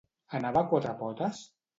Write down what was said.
Anava a quatre potes?